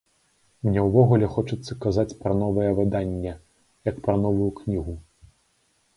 Мне ўвогуле хочацца казаць пра новае выданне, як пра новую кнігу.